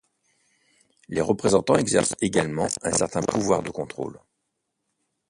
Les représentants exercent également un certain pouvoir de contrôle.